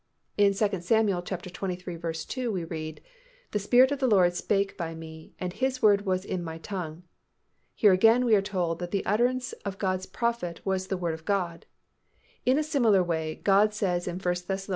In 2 Sam. xxiii. 2, we read, "The Spirit of the Lord spake by me, and His word was in my tongue." Here again we are told that the utterance of God's prophet was the word of God. In a similar way God says in 1 Thess.